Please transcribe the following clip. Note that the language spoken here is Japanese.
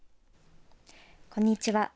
こんにちは。